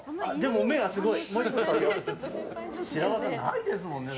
目がすごい。